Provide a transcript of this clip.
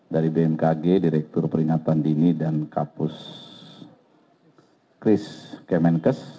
dari bmkg direktur peringatan dini dan kapus kris kemenkes